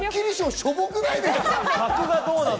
しょぼくないですか？